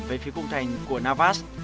về phía cung thành của navas